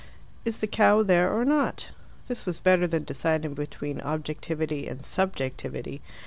Is the cow there or not? This was better than deciding between objectivity and subjectivity.